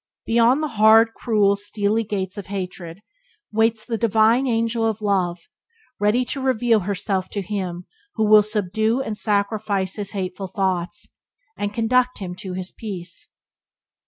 Beyond the hard, cruel, steely gates of hatred waits the divine angel of love, ready to reveal herself to him who will subdue and sacrifice his hateful thoughts, and conduct him to his peace.